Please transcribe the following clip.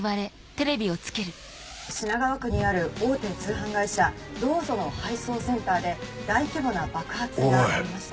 品川区にある大手通販会社「ＤＯＵＺＯ」の配送センターで大規模な爆発がありました。